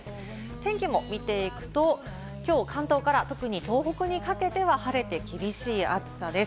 天気も見ていくと、きょう関東から特に東北にかけては晴れて厳しい暑さです。